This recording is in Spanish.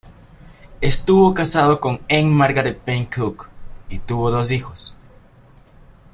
Estuvo casado con Anne Margaret Payne Cooke, y tuvo dos hijos.